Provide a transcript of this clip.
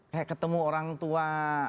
kayak ketemu orang tua